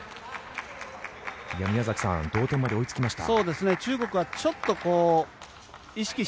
宮崎さん同点まで追いつきました。